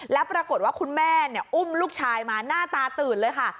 แล้วปรากฏว่าคุณแม่อุ้มลูกชายมาหน้าตาตื่นเลยค่ะ